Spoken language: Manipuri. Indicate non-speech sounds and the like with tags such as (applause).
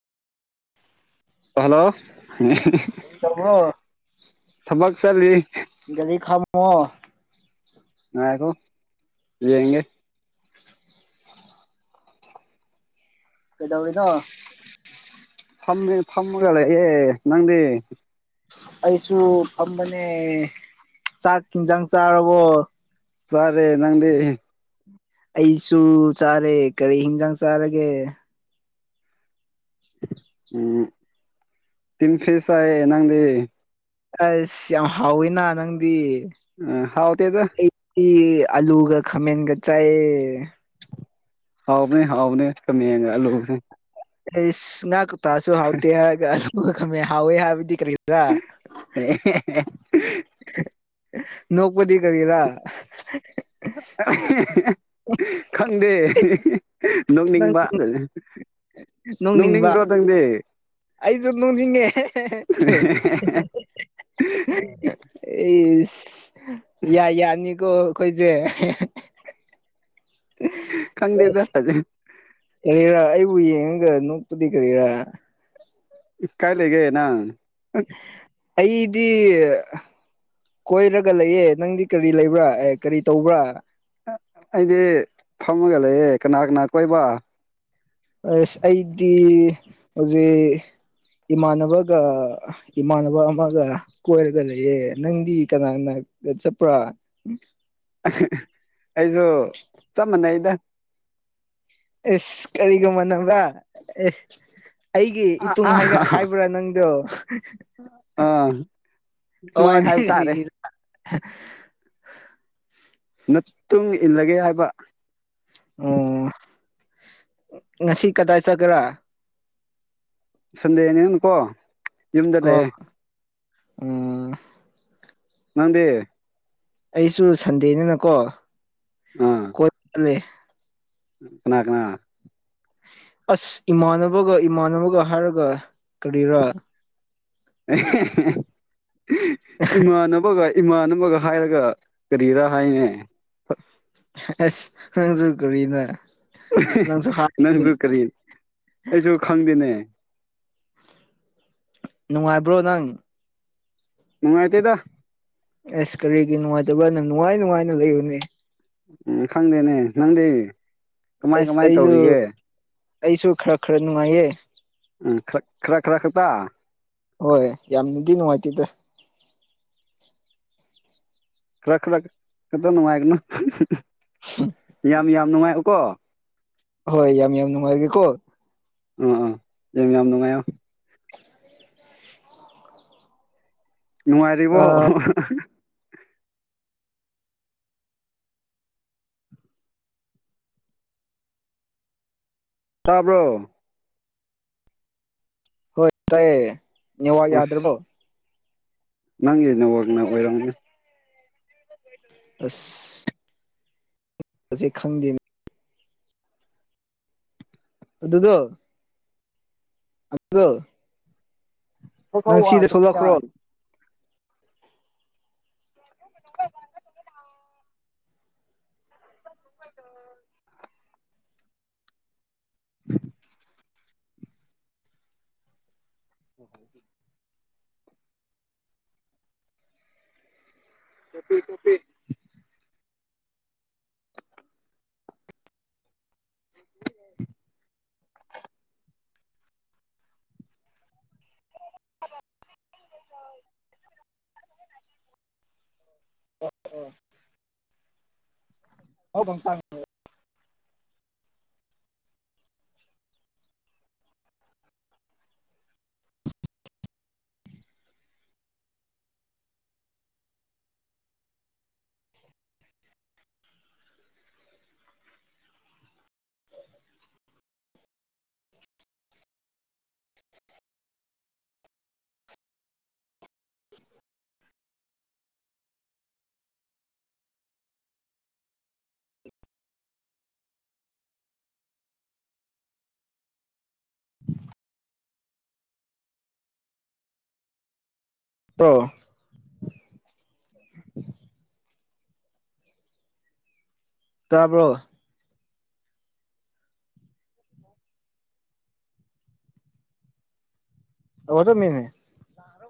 ꯍꯜꯂꯣ ꯇꯧꯕ꯭ꯔꯣ ꯊꯕꯛ ꯆꯠꯂꯤ ꯒꯥꯔꯤ ꯈꯥꯝꯃꯣ ꯉꯥꯏꯈꯣ ꯂꯦꯡꯉꯦ ꯀꯩꯗꯧꯔꯤꯅꯣ ꯐꯝꯃꯦ ꯐꯝꯃꯒ ꯂꯩꯌꯦ ꯅꯪꯗꯤ ꯑꯩꯁꯨ ꯐꯝꯕꯅꯦ ꯆꯥꯛ ꯏꯪꯖꯥꯡ ꯆꯥꯔꯕꯣ ꯆꯥꯔꯦ ꯅꯪꯗꯤ ꯑꯩꯁꯨ ꯆꯥꯔꯦ ꯀꯔꯤ ꯍꯤꯟꯖꯥꯡ ꯆꯥꯔꯒꯦ ꯎꯝ ꯇꯤꯟ ꯐꯤꯁ ꯆꯥꯏꯌꯦ ꯅꯪꯗꯤ ꯑꯁ ꯌꯥꯝ ꯍꯥꯎꯋꯤꯅ ꯅꯪꯗꯤ ꯎꯝ ꯍꯥꯎꯇꯦꯗ ꯑꯂꯨꯒ ꯈꯥꯃꯦꯟꯒ ꯆꯥꯏꯑꯦ ꯍꯥꯎꯕꯅꯦ ꯍꯥꯎꯕꯅꯦ ꯀꯃꯦꯟꯒ ꯑꯂꯨꯒ ꯏꯁ ꯉꯥ ꯀꯧꯇꯥꯁꯨ ꯍꯥꯎꯇꯦ ꯍꯥꯏꯔꯒ ꯑꯂꯨꯒ ꯈꯥꯃꯦꯟꯒ ꯥꯍꯥꯎꯋꯦ ꯍꯥꯏꯕꯗꯤ ꯀꯔꯤꯔ (unintelligible) ꯅꯣꯡꯄꯗꯤ ꯀꯔꯤꯔ (unintelligible) ꯈꯪꯗꯦ ꯅꯪ ꯅꯣꯛꯅꯤꯡꯕꯥ ꯅꯣꯛꯅꯤꯡꯕ ꯅꯣꯛꯅꯤꯡꯗ꯭ꯔꯣ ꯅꯪꯗꯤ ꯑꯩꯁꯨ ꯅꯣꯛꯅꯤꯡꯉꯦ ꯏꯁ ꯌꯥ ꯌꯥꯅꯤꯀꯣ ꯑꯩꯈꯣꯏꯁꯦ ꯈꯪꯗꯦꯗ ꯑꯗ ꯀꯔꯤꯔꯥ ꯑꯩꯕꯨ ꯌꯦꯡꯉꯒ ꯅꯣꯛꯄꯗꯤ ꯀꯔꯤꯔꯥ ꯀꯥꯏꯂꯩꯒꯦ ꯅꯪ ꯑꯩꯗꯤ ꯀꯣꯏꯔꯒ ꯂꯩꯌꯦ ꯅꯪꯗꯤ ꯀꯔꯤ ꯂꯩꯕ꯭ꯔꯥ ꯑꯦ ꯀꯔꯤ ꯇꯧꯕ꯭ꯔꯥ ꯑꯩꯗꯤ ꯐꯝꯃꯒ ꯂꯩꯌꯦ ꯀꯅꯥ ꯀꯅꯥ ꯀꯣꯏꯕ ꯑꯩꯁ ꯑꯩꯗꯤ ꯍꯧꯖꯤꯛ ꯏꯃꯥꯟꯅꯕꯒ ꯏꯃꯥꯟꯅꯕ ꯑꯃꯒ ꯀꯣꯏꯔꯒ ꯂꯩꯌꯦ ꯅꯪꯗꯤ ꯀꯅꯥꯅꯒꯤꯗ ꯆꯠꯄ꯭ꯔꯥ ꯑꯩꯖꯨ ꯆꯞ ꯃꯥꯟꯅꯩꯗ ꯏꯁ ꯀꯔꯤꯒ ꯃꯅꯥꯕ꯭ꯔꯥ ꯑꯦ ꯑꯩꯒꯤ ꯑꯥ ꯏꯇꯨꯡ ꯑꯥ ꯍꯥꯏꯅ ꯍꯥꯏꯕ꯭ꯔꯥ ꯅꯪꯗꯣ ꯑꯥ ꯁꯨꯃꯥꯏꯅ ꯑꯣꯗꯤ ꯍꯥꯏꯕ ꯇꯥꯔꯦ (unintelligible) ꯅꯇꯨꯡ ꯏꯜꯂꯒꯦ ꯍꯥꯏꯕ ꯑꯣ ꯉꯁꯤ ꯀꯗꯥꯏ ꯆꯠꯀꯦꯔꯥ ꯁꯟꯗꯦꯅꯤꯅꯥꯀꯣ ꯌꯨꯝꯗ ꯑꯣ ꯂꯩꯌꯦ ꯎꯝ ꯅꯪꯗꯤ ꯑꯩꯁꯨ ꯁꯟꯗꯦꯅꯤꯅꯀꯣ ꯑꯥ ꯀꯣꯏ ꯂꯦ ꯀꯅꯥ ꯀꯅꯥ ꯑꯁ ꯏꯃꯥꯟꯅꯕꯒ ꯏꯃꯥꯟꯅꯕꯒ ꯍꯥꯏꯔꯒ ꯀꯔꯤꯔꯥ ꯏꯃꯥꯟꯅꯕꯒ ꯏꯃꯥꯟꯅꯕꯒ ꯍꯥꯏꯔꯒ ꯀꯔꯤꯔꯥ ꯍꯥꯏꯅꯦ ꯑꯁ ꯅꯪꯁꯨ ꯀꯔꯤꯅ ꯅꯪꯁꯨ ꯅꯪꯁꯨ ꯍꯥꯏꯅꯤ ꯀꯔꯤ ꯑꯩꯁꯨ ꯈꯪꯗꯦꯅꯦ ꯅꯨꯡꯉꯥꯏꯕ꯭ꯔꯣ ꯅꯪ ꯅꯨꯡꯉꯥꯏꯇꯦꯗ ꯑꯦꯁ ꯀꯔꯤꯒꯤ ꯅꯨꯡꯉꯥꯏꯇꯕ꯭ꯔ ꯅꯪ ꯅꯨꯡꯉꯥꯏ ꯅꯨꯡꯉꯥꯏꯅ ꯂꯩꯌꯨꯅꯦ ꯎꯝ ꯈꯪꯗꯦꯅꯦ ꯅꯪꯗꯤ ꯀꯃꯥꯏ ꯑꯁ ꯀꯃꯥꯏ ꯑꯩꯁꯨ ꯇꯧꯔꯤꯒꯦ ꯑꯩꯁꯨ ꯈꯔ ꯈꯔ ꯅꯨꯡꯉꯥꯏꯌꯦ ꯎꯝ ꯈꯔ ꯈꯔ ꯈꯔ ꯈꯠꯇ ꯍꯣꯏ ꯌꯥꯝꯅꯗꯤ ꯅꯨꯡꯉꯥꯏꯇꯦꯗ ꯈꯔ ꯈꯔꯛ ꯈꯇ ꯅꯨꯉꯥꯏꯒꯅ‌ꯣ ꯌꯥꯝ ꯌꯥꯝ ꯅꯨꯉꯥꯏꯑ‌ꯣꯀꯣ ꯍꯣꯏ ꯌꯥꯝ ꯌꯥꯝ ꯅꯨꯡꯉꯥꯏꯒꯦꯀꯣ ꯑꯥ ꯑꯥ ꯌꯥꯝ ꯌꯥꯝ ꯅꯨꯡꯉꯥꯏꯌꯣ ꯅꯨꯡꯉꯥꯏꯔꯤꯕꯣ ꯇꯥꯕ꯭ꯔꯣ ꯍꯣꯏ ꯇꯥꯏꯌꯦ ꯅꯦꯋꯥꯛ ꯑꯁ ꯌꯥꯗ꯭ꯔꯕꯣ ꯅꯪꯒꯤ ꯅꯦꯋꯥꯛꯅ ꯑꯣꯏꯔꯝꯒꯅꯤ ꯑꯁ ꯍꯨꯖꯤꯛ ꯈꯪꯗꯦ ꯑꯗꯨꯗꯣ ꯑꯗꯨꯗꯣ ꯊꯧꯊꯧ ꯅꯪ ꯁꯤꯗ ꯋꯥꯗꯕ ꯌꯥ ꯊꯣꯂꯛꯈ꯭ꯔꯣ (unintelligible) (unintelligible) (inaudible) ꯀ‌ꯣꯞꯄꯤ ꯀ‌ꯣꯞꯄꯤ (inaudible) (unintelligible) (unintelligible) (inaudible) ꯇꯣ ꯇꯥꯕ꯭ꯔꯣ ꯇꯧꯔꯗꯝꯅꯤꯅ‌ꯦ